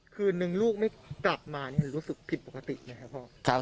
คืนนึงลูกไม่กลับมารู้สึกผิดปกติไหมครับพ่อ